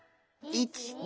１２！